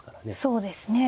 そうですね。